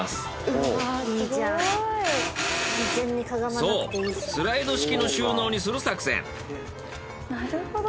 そうスライド式の収納にする作戦。